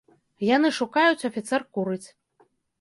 Яны шукаюць, афіцэр курыць.